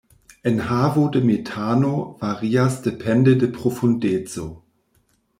Enhavo de metano varias depende de profundeco.